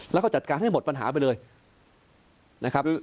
แล้วก็จัดการให้หมดปัญหาไปเลยนะครับ